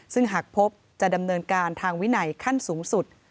ซึ่งหากพบจะดำเนินการทางวินัยขั้นสูงสุด